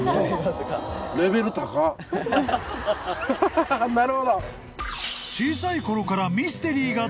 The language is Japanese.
ハハハなるほど。